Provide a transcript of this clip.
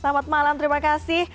selamat malam terima kasih